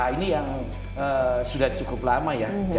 ini yang sudah cukup lama ya